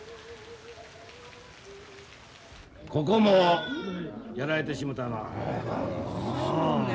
ここもやられてしもたな。